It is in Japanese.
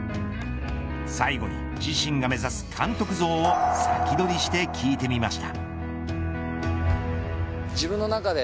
最後に自身が目指す監督像を先取りして聞いてみました。